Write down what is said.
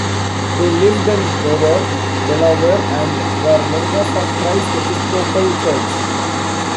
They lived in Dover, Delaware and were members of Christ Episcopal Church.